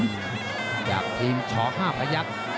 สมจากทีมชอห้าพยักษ์